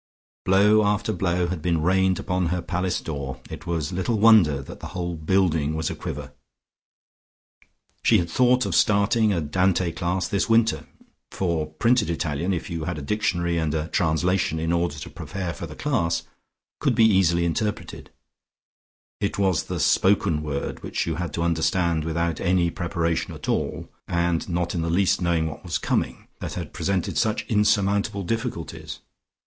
Blow after blow had been rained upon her palace door, it was little wonder that the whole building was a quiver. She had thought of starting a Dante class this winter, for printed Italian, if you had a dictionary and a translation in order to prepare for the class, could be easily interpreted: it was the spoken word which you had to understand without any preparation at all, and not in the least knowing what was coming, that had presented such insurmountable difficulties.